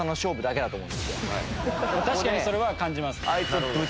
確かにそれは感じます。